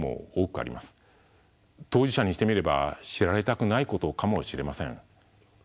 当事者にしてみれば知られたくないことかもしれません。